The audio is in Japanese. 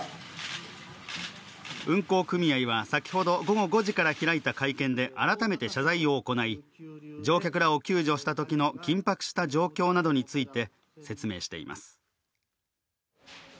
運航組合は先ほど午後５時から開いた会見で改めて謝罪を行い、乗客らを救助したときの緊迫した状況などについて説明しています。